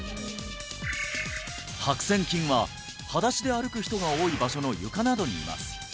白せん菌ははだしで歩く人が多い場所の床などにいます